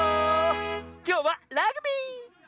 きょうはラグビー！